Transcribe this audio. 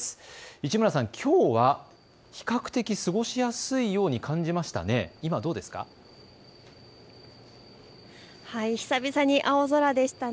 市村さん、きょうは比較的、過ごしやすいように感じましたね。